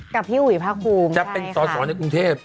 กับพี่หุ่ยพระคุมจะเป็นต่อสอนในกรุงเทพฯ